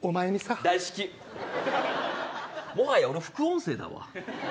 もはや俺、副音声だわ。